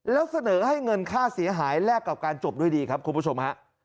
แล้วเสนอให้เงินค่าเสียหายแลกกับการจบด้วยดีครับคุณผู้ชมฮะ